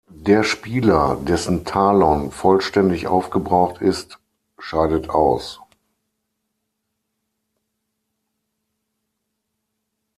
Der Spieler, dessen Talon vollständig aufgebraucht ist, scheidet aus.